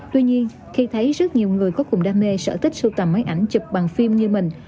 tuy nhiên khi thấy rất nhiều người có cùng đam mê sở thích sưu tầm mấy ảnh chụp bằng phim như mình